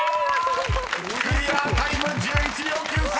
［クリアタイム１１秒９３！］